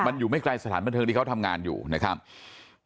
มันอยู่ไม่ไกลสถานบันเทิงที่เขาทำงานอยู่นะครับ